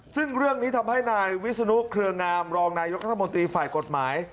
ซึ่งเรื่องนี้ทำให้นายวิศนุเครืองามรองนายกรัฐมนตรีฝ่ายกฎหมาย